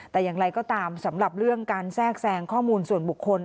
แต่อย่างไรก็ตามสำหรับเรื่องการแทรกแซงข้อมูลส่วนบุคคล